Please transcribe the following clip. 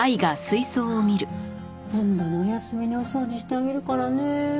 今度のお休みにお掃除してあげるからねえ。